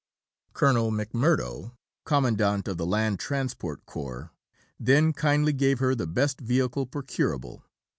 Colonel McMurdo, Commandant of the Land Transport Corps, then kindly gave her the best vehicle procurable.